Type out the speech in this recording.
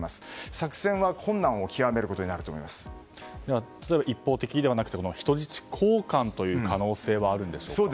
作戦は困難を極めることに例えば、一方的ではなくて人質交換という可能性はあるんでしょうか。